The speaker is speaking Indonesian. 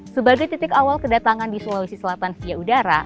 sebagai titik awal kedatangan di sulawesi selatan via udara